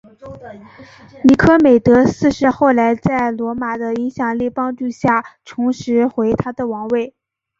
尼科美德四世后来在罗马的影响力帮助下重拾回他的王位。